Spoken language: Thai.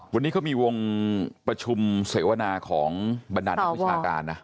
วันนี้เขามีวงประชุมเสวนาของบรรดานนักวิชาการนะ